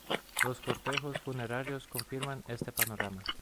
Los cortejos funerarios confirman este panorama.